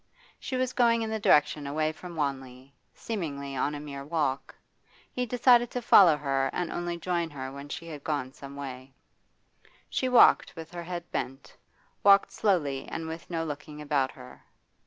She was going in the direction away from Wanley, seemingly on a mere walk. He decided to follow her and only join her when she had gone some way. She walked with her head bent, walked slowly and with no looking about her.